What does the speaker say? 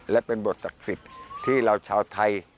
และเป็นบทศักดิ์สิทธิ์ที่เราชาวไทย